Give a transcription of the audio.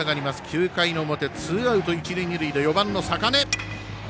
９回の表、ツーアウト一塁二塁で４番の坂根。